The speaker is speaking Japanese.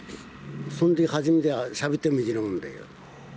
そんで初めてしゃべったみたいなもんだよ。